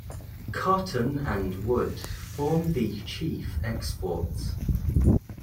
Cotton and wood form the chief exports.